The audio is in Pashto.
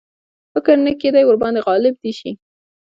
فکر نه کېدی ورباندي غالب دي شي.